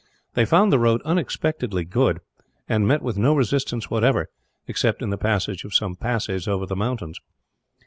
They found the road unexpectedly good, and met with no resistance whatever, except in the passage of some passes over the mountains.